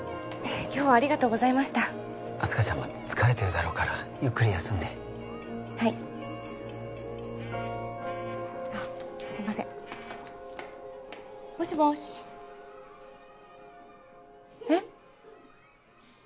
今日はありがとうございました明日香ちゃんも疲れてるだろうからゆっくり休んではいすいませんもしもしえッ？